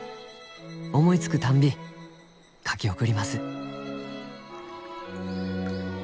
思いつくたんび書き送ります」。